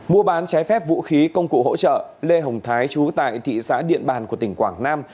mua bán trái phép vũ khí công cụ hỗ trợ lê hồng thái chú tại thị xã điện bàn của tỉnh quảng nam